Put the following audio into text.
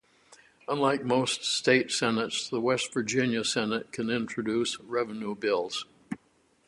Unlike most state senates, the West Virginia Senate can introduce revenue bills.